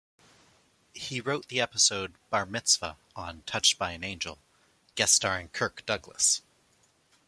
He wrote the episode 'Bar Mitzvah' on "Touched by an Angel", guest-starring Kirk Douglas.